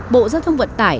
bộ dư thông vận tải